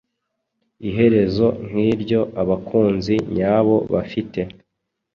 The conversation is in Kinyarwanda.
Iherezo nkiryo abakunzi nyabo bafite.